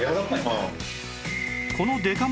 はい。